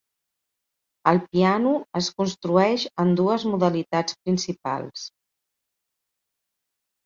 El piano es construeix en dues modalitats principals.